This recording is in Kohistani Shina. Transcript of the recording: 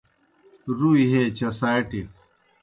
رُوئی ہے چساٹیْ